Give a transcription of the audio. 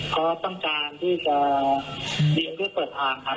เขาต้องการที่จะเลี้ยเพื่อเปิดทางครับ